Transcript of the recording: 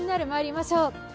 まいりましょう。